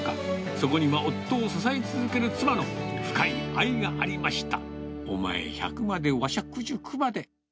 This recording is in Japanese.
そこには夫を支え続ける妻の深い愛がありました。